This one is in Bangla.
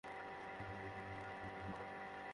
হেই, তুমি নিরাপদেই থাকবে।